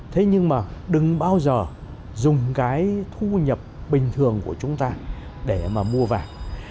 thế nhưng đừng bao giờ dùng cái thu nhập bình thường của chúng ta để mua vàng